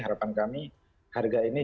harapan kami harga ini